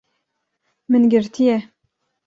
Min girtiye